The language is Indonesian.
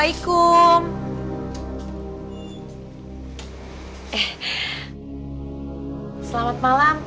baik ulatin mi lagi